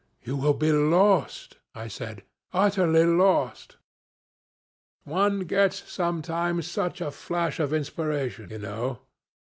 'You will be lost,' I said 'utterly lost.' One gets sometimes such a flash of inspiration, you know.